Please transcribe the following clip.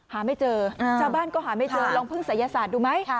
หาไม่เจอชาวบ้านก็หาไม่เจอลองพึ่งศัยศาสตร์ดูไหม